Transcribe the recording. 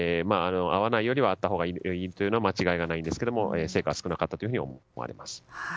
会わないよりは会ったほうがいいというのは間違いないですが成果は少なかったと思われます。